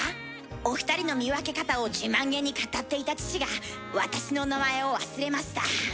お二人の見分け方を自慢げに語っていた父が私の名前を忘れました。